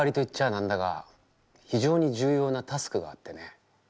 なんだが非常に重要なタスクがあってね。